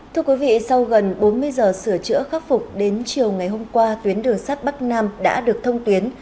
thưa quý vị sau gần bốn mươi giờ sửa chữa khắc phục đến chiều ngày hôm qua tuyến đường sắt bắc nam đã được thông tuyến